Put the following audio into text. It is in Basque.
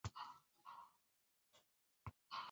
Zenbait unetan gauzak oso ilun egongo lirateke.